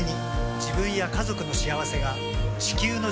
自分や家族の幸せが地球の幸せにつながっている。